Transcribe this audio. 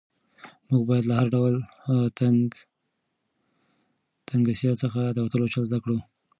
موږ باید له هر ډول تنګسیا څخه د وتلو چل زده کړو.